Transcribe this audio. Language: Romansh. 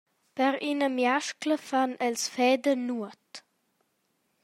Per ina miascla fan els feda nuot.